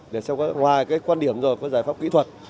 để xem ngoài cái quan điểm rồi có giải pháp kỹ thuật